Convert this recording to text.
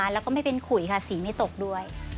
แล้วก็ไม่เป็นขุยค่ะสีไม่ตกด้วย